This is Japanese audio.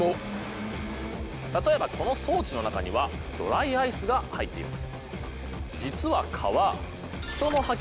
例えばこの装置の中にはドライアイスが入っています。